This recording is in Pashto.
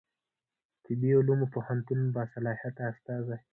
طبي علومو پوهنتون باصلاحیته استازی